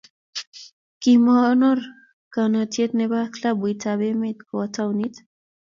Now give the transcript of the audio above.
Kimonor konetinte ne bo klabit ab emet kowo taonit.